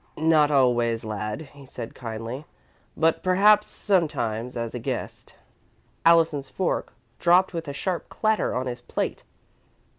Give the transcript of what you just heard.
"Not always, lad," he said, kindly, "but perhaps, sometimes as a guest." Allison's fork dropped with a sharp clatter on his plate.